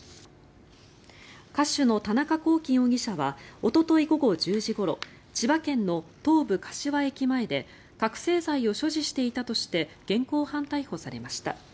歌手の田中聖容疑者はおととい午後１０時ごろ千葉県の東武柏駅前で覚醒剤を所持していたとして現行犯逮捕されました。